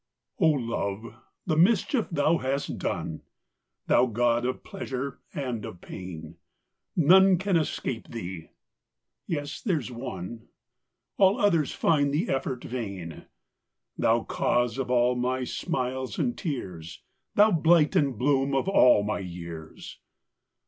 LOVE ! the mischief thou hast done ! Thou god of pleasure and of pain ! None can escape thee yes there s one All others find the effort vain : Thou cause of all my smiles and tears ! Thou blight and bloom of all my years ! 70 LINES.